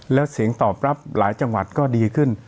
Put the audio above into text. แล้วเสียงตอบรับหลายจังหวัดก็ดีขึ้น